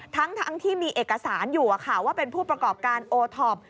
ทั้งที่มีเอกสารอยู่ว่าเป็นผู้ประกอบการโอท็อป